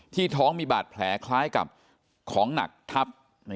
ท้องมีบาดแผลคล้ายกับของหนักทับ